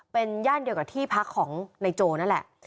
เป็นย่านเดียวกับที่พักของนายโจนั่นแหละ